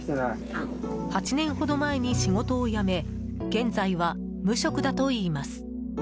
８年ほど前に仕事を辞め現在は無職だといいます。